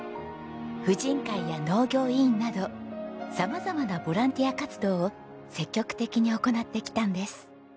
婦人会や農業委員など様々なボランティア活動を積極的に行ってきたんです。